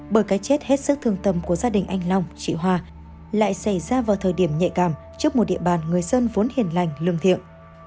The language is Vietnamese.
bởi cái chết hết sức thương tâm của gia đình anh long chị hoa lại xảy ra vào thời điểm nhạy cảm trước một địa bàn người dân vốn hiền lành lương thiện